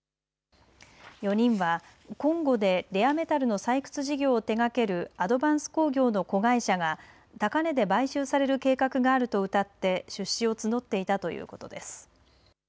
４人はコンゴでレアメタルの採掘事業を手がけるアドヴァンス工業の子会社が高値で買収される計画があるとうたって出資を募っていたということです。